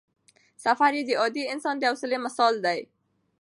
سفر یې د عادي انسان د حوصلې مثال دی.